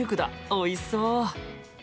おいしそう！